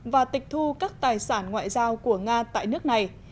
và tịch thu các tài sản ngoại giao của nga tại nước này